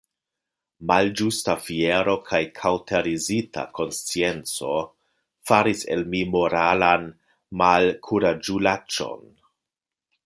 Malĝusta fiero kaj kaŭterizita konscienco faris el mi moralan malkuraĝulaĉon.